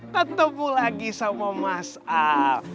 ketemu lagi sama mas a